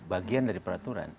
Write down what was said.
bagian dari peraturan